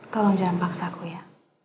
tolong jangan paksaku ya